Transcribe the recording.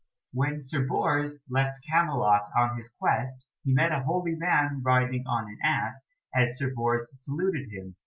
When Sir Bors left Camelot on his quest he met a holy man riding on an ass, and Sir Bors saluted him.